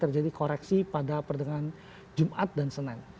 jadi koreksi pada perdenaan jumat dan senin